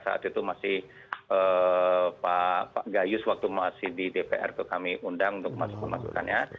saat itu masih pak gayus waktu masih di dpr itu kami undang untuk masukan masukannya